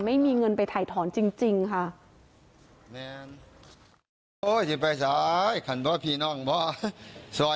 ไม่มีเงินไปถ่ายถอนจริงค่ะ